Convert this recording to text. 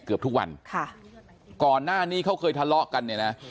เกือบทุกวันค่ะก่อนหน้านี้เขาเคยทะเลาะกันเนี่ยนะ